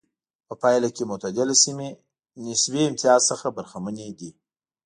په پایله کې معتدله سیمې نسبي امتیاز څخه برخمنې دي.